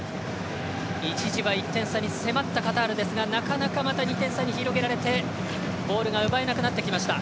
一時は１点差に迫ったカタールですがなかなかまた２点差に広げられてボールが奪えなくなってきました。